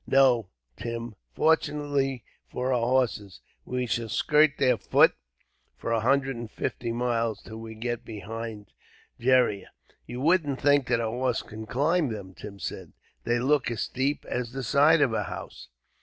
"No, Tim, fortunately for our horses. We shall skirt their foot, for a hundred and fifty miles, till we get behind Gheriah." "You wouldn't think that a horse could climb them," Tim said. "They look as steep as the side of a house."